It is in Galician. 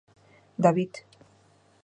David.